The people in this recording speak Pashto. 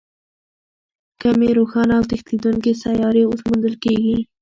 کمې روښانه او تښتېدونکې سیارې اوس موندل کېږي.